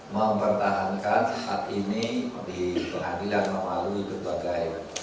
mempertahankan hak ini di pengadilan nomor satu itu sebagai